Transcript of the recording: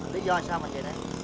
lý do sao mà về đây